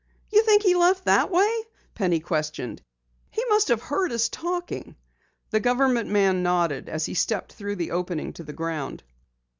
"You think he left that way?" Penny questioned. "He must have heard us talking!" The government man nodded as he stepped through the opening to the ground.